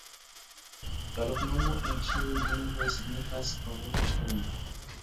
La loknomo en ĉiuj lingvoj signifas: ruĝa ŝtono.